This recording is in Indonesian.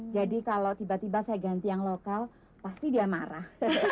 jadi kalau tiba tiba saya ganti yang lokal pasti dia marah